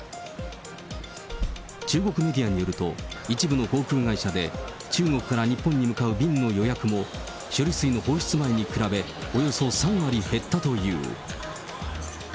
中国メディアによると、一部の航空会社で、中国から日本に向かう便の予約も、処理水の放出前に比べおよそ３割減ったという。